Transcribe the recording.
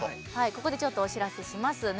ここでちょっとお知らせします。